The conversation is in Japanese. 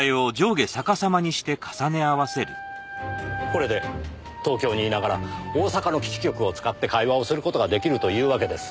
これで東京にいながら大阪の基地局を使って会話をする事が出来るというわけです。